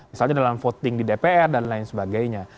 misalnya dalam voting di dpr dan lain sebagainya